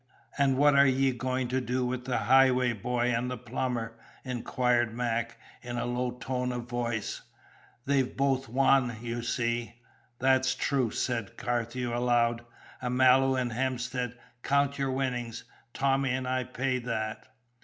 "And what are ye going to do with the Highway boy and the plumber?" inquired Mac, in a low tone of voice. "They've both wan, ye see." "That's true!" said Carthew aloud. "Amalu and Hemstead, count your winnings; Tommy and I pay that."